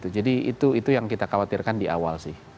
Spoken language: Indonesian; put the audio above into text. jadi itu yang kita khawatirkan di awal sih